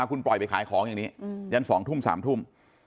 คุณปล่อยไปขายของอย่างนี้ยัน๒ทุ่ม๓ทุ่ม